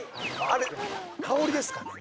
あれ香りですかね